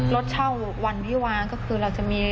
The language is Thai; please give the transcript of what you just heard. รถเช่าวันที่วางก็คือเราจะมีรถ